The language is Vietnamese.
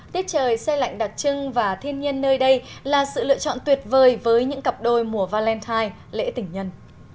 tiết trời xe lạnh đặc trưng và thiên nhiên nơi đây là sự lựa chọn tuyệt vời với những cặp đôi mùa valentine lễ tỉnh nhân